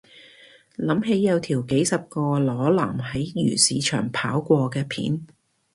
諗起有條幾十個裸男喺漁市場跑過嘅片